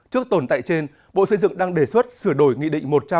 trước tồn tại trên bộ xây dựng đang đề xuất sửa đổi nghị định một trăm linh